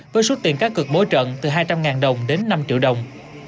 với suất tiền cá cực bối trận từ hai trăm linh đồng đến năm triệu đồng